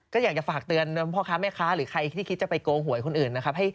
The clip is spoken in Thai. ก็อยากจะฝากเตือนพ่อค้าแม่ค้าหรือใครที่คิดจะไปโกงหวยคนอื่นนะครับ